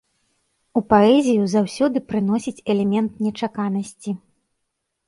У паэзію заўсёды прыносіць элемент нечаканасці.